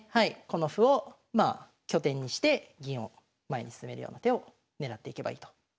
この歩を拠点にして銀を前に進めるような手を狙っていけばいいということですね。